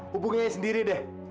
hubungi aja sendiri deh